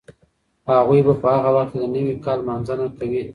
هغوی به په هغه وخت کې د نوي کال لمانځنه کوي.